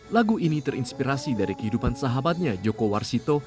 lagu ini terinspirasi dari kehidupan sahabatnya joko warsito